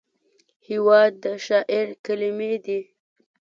هېواد د شاعر کلمې دي.